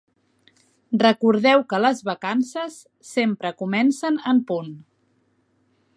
Recordeu que les vacances sempre comencen en punt.